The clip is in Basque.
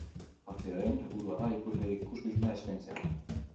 Partidaren helburua da ikusleei ikuskizuna eskaintzea.